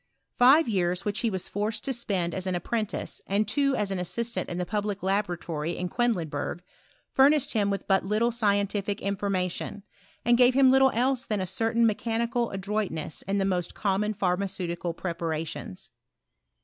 Five years which he was forced to spend as an apprentice, and two as an assistant in the public laboratory in Quedlinburg, furnished him with but little scientific information, and gave him little else than a certain mechanical adroitness in the most common pharmaceutical preparations.